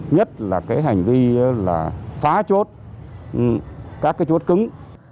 nhất là cái hành vi là phá chốt các cái chốt cứng